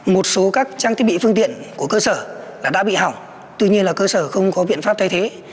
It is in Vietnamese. một số các trang thiết bị phương tiện của cơ sở đã bị hỏng tuy nhiên là cơ sở không có biện pháp thay thế